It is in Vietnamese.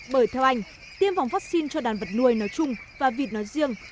bởi theo anh tiêm phòng vaccine cho đàn vật nuôi nói chung và vịt nói riêng